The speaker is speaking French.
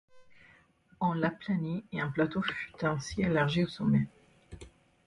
On l'aplanit et un plateau fut ainsi élargi au sommet.